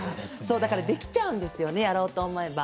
だから、できちゃうんですよね、やろうと思えば。